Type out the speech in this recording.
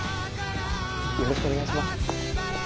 よろしくお願いします。